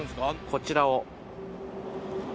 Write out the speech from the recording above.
こちらを。